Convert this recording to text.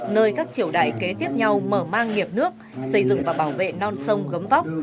nơi các triều đại kế tiếp nhau mở mang nghiệp nước xây dựng và bảo vệ non sông gấm vóc